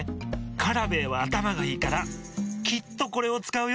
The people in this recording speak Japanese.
カラベーはあたまがいいからきっとこれをつかうよ。